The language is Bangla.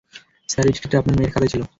স্যার, এই চিঠিটা আপনার মেয়ের খাতায় ছিল।